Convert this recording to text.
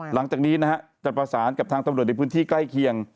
หลังจากนี้นะฮะจะประสานกับทางตำรวจในพื้นที่ใกล้เคียง